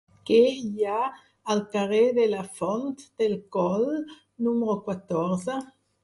Què hi ha al carrer de la Font del Coll número catorze?